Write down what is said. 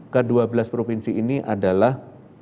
kedua belas provinsi ini adalah